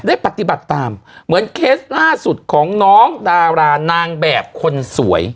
ปฏิบัติตามเหมือนเคสล่าสุดของน้องดารานางแบบคนสวย